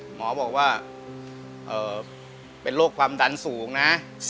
หมอบอกว่าเป็นโรคความดันสูงนะ